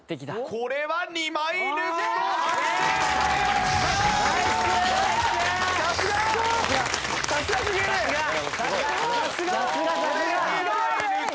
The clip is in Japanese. これは２枚抜き。